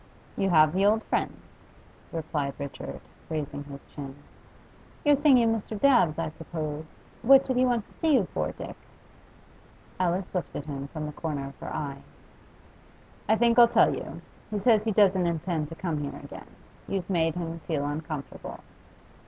'You have the old friends,' replied Richard, raising his chin. 'You're thinking of Mr. Dabbs, I suppose. What did he want to see you for, Dick?' Alice looked at him from the corner of her eye. 'I think I'll tell you. He says he doesn't intend to come here again. You've made him feel uncomfortable.